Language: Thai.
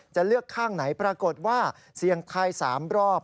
จะเลือกข้างไหนปรากฏว่าเสี่ยงทาย๓รอบ